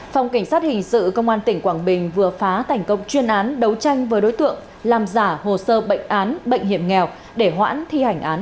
phòng cảnh sát hình sự công an tỉnh quảng bình vừa phá thành công chuyên án đấu tranh với đối tượng làm giả hồ sơ bệnh án bệnh hiểm nghèo để hoãn thi hành án